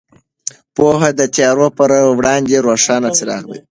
پوهه د تیارو پر وړاندې روښان څراغ دی.